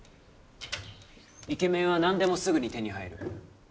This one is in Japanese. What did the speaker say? イケメンはなんでもすぐに手に入る。